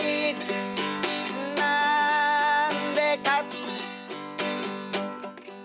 「なんでか？」